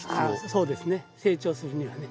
そうですね成長するにはね。